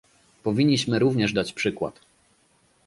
Powinniśmy również dać przykład